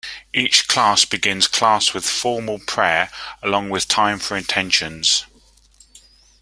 Each class begins class with formal prayer along with time for intentions.